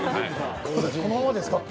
このままですか？